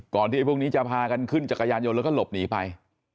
ก่อนที่พวกนี้จะพากันขึ้นจากยานโยนก็ลบหนีไป